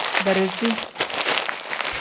Beresi.